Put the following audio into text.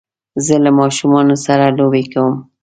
زه له ماشومانو سره لوبی کوم